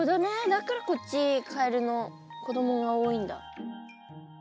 だからこっちカエルの子供が多いんだ。